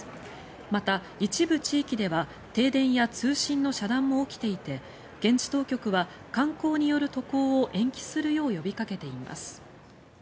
また、一部地域では停電や通信の遮断も起きていて現地当局は観光による渡航を延期するよう呼びかけています。